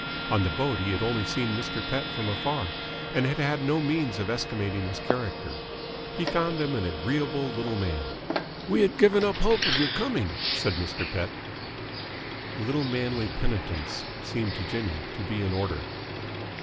On the boat he had only seen Mr. Pett from afar, and had had no means of estimating his character. He found him an agreeable little man. "We had given up all hope of your coming," said Mr. Pett. A little manly penitence seemed to Jimmy to be in order.